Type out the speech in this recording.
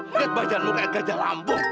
nggak baca nurik gajah lambung